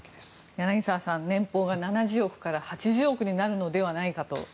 柳澤さん、年俸が７０億から８０億になるのではないかと。